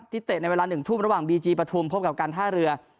เตะในเวลา๑ทุ่มระหว่างบีจีปฐุมพบกับการท่าเรือ